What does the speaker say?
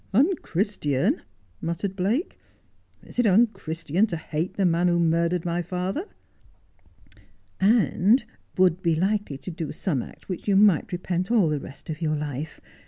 ' Unchristian !' muttered Blake. ' Is it unchristian to hate the man who murdered my father ']'' And would be likely to do some act which you might repent all the rest of your life.